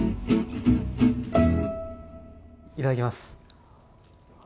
いただきます！